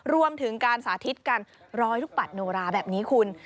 รวมถึงการสาธิตกันร้อยลูกปัดโนราแบบนี้คุณ